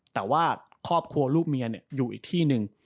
แต่ว่าครอบครัวลูกเมียอยู่อีกที่หนึ่ง